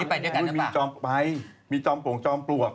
มีจอมไฟมีจอมโปรงจอมปลวก